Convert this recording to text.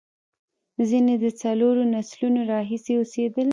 ځینې د څلورو نسلونو راهیسې اوسېدل.